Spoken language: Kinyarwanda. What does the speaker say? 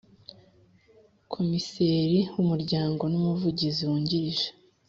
Komiseri w umuryango n Umuvugizi wungirije.